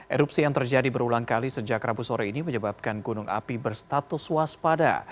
erupsi yang terjadi berulang kali sejak rabu sore ini menyebabkan gunung api berstatus waspada